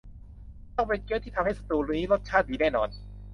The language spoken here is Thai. ต้องเป็นเกี๊ยวที่ทำให้สตูว์นี้รสชาติดีแน่นอน